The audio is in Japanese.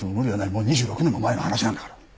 もう２６年も前の話なんだから。